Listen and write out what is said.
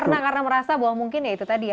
pernah karena merasa bahwa mungkin ya itu tadi ya